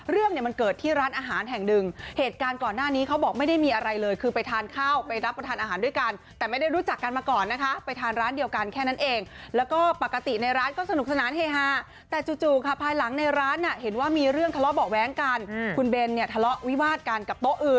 เรื่องเนี่ยมันเกิดที่ร้านอาหารแห่งหนึ่งเหตุการณ์ก่อนหน้านี้เขาบอกไม่ได้มีอะไรเลยคือไปทานข้าวไปรับประทานอาหารด้วยกันแต่ไม่ได้รู้จักกันมาก่อนนะคะไปทานร้านเดียวกันแค่นั้นเองแล้วก็ปกติในร้านก็สนุกสนานเฮฮาแต่จู่ค่ะภายหลังในร้านน่ะเห็นว่ามีเรื่องทะเลาะเบาะแว้งกันคุณเบนเนี่ยทะเลาะวิวาดกันกับโต๊ะอื่น